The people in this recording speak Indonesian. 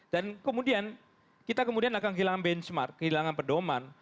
dan kemudian kita akan kehilangan benchmark kehilangan pedoman